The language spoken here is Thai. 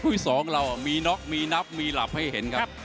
ทำร้อยคุย๒เรามีการน๊อคนับราดไกรให้เห็น